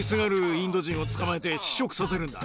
インド人をつかまえて試食させるんだ。